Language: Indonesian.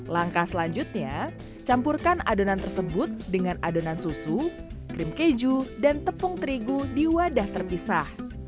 langkah selanjutnya campurkan adonan tersebut dengan adonan susu krim keju dan tepung terigu di wadah terpisah